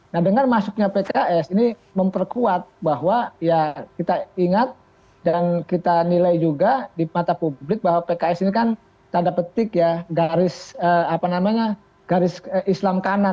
nah dengan masuknya pks ini memperkuat bahwa ya kita ingat dan kita nilai juga di mata publik bahwa pks ini kan tanda petik ya garis apa namanya garis islam kanan